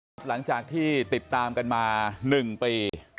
หลังจากที่ติดตามกันมา๑ปี